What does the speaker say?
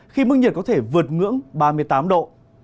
khi mức nhiệt có thể vượt ngưỡng ba mươi tám độ